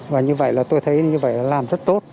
và như vậy là tôi thấy như vậy là làm rất tốt